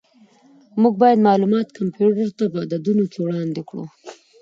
موږ باید معلومات کمپیوټر ته په عددونو کې وړاندې کړو.